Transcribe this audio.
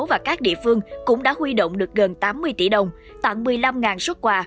và các địa phương cũng đã huy động được gần tám mươi tỷ đồng tặng một mươi năm xuất quà